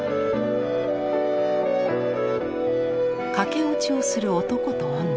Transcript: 駆け落ちをする男と女。